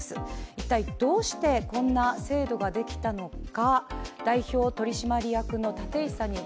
一体どうしてこんな制度ができたのか。